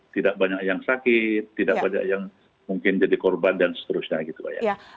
tidak banyak yang sakit tidak banyak yang mungkin jadi korban dan seterusnya gitu pak ya